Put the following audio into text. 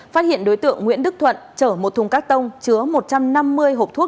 phát hiện đối tượng nguyễn đức thuận chở một thùng các tông chứa một trăm năm mươi hộp thuốc